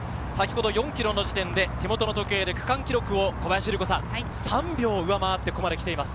４ｋｍの時点で手元の時計で区間記録を３秒上回ってここまで来ています。